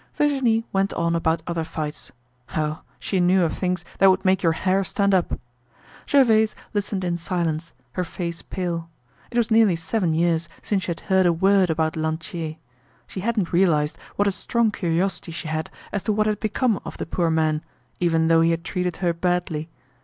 Virginie went on about other fights. Oh, she knew of things that would make your hair stand up. Gervaise listened in silence, her face pale. It was nearly seven years since she had heard a word about Lantier. She hadn't realized what a strong curiosity she had as to what had become of the poor man, even though he had treated her badly.